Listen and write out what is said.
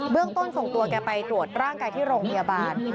เรื่องต้นส่งตัวแกไปตรวจร่างกายที่โรงพยาบาล